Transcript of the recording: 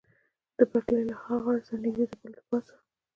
د پټلۍ له ها غاړې سره نږدې د پله له پاسه.